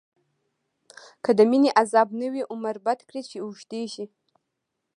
که دمينی عذاب نه وی، عمر بد کړی چی اوږديږی